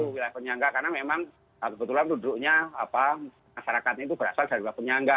wilayah penyangga karena memang kebetulan duduknya masyarakat itu berasal dari wilayah penyangga